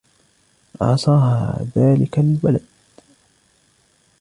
عصاها دالك الولد.